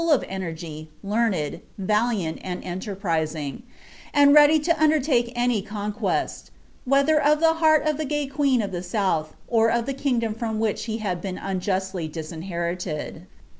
of energy, learned, valiant, and enterprising, and ready to undertake any conquest, whether of the heart of tlie gay queen of the south, or of the kingdom from which he had been unjustly disinherited.